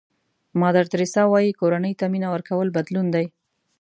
مادر تریسیا وایي کورنۍ ته مینه ورکول بدلون دی.